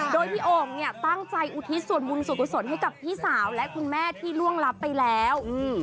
โดยพี่โอ่งเนี่ยตั้งใจอุทิศส่วนบุญส่วนกุศลให้กับพี่สาวและคุณแม่ที่ล่วงลับไปแล้ว